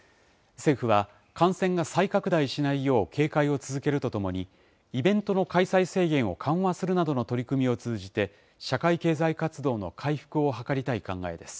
政府は、感染が再拡大しないよう警戒を続けるとともに、イベントの開催制限を緩和するなどの取り組みを通じて、社会経済